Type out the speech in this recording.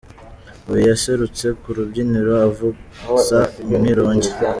Uyu yaserutse ku rubyiniro avuza umwirongi.